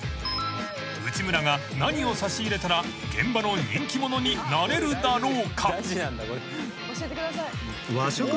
［内村が何を差し入れたら現場の人気者になれるだろうか？］